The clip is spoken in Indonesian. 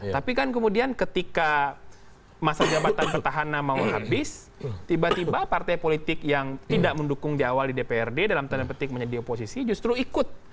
tapi kan kemudian ketika masa jabatan petahana mau habis tiba tiba partai politik yang tidak mendukung di awal di dprd dalam tanda petik menjadi oposisi justru ikut